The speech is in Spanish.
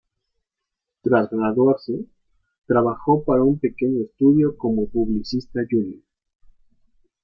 Tras graduarse, trabajó para un pequeño estudio como publicista junior.